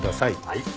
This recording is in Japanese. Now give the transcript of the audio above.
はい。